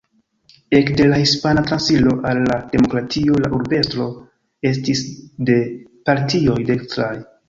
Ekde la Hispana transiro al la demokratio la urbestro estis de partioj dekstraj.